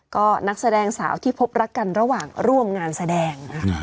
ก็นักแสดงสาวที่พบรักกันระหว่างร่วมงานแสดง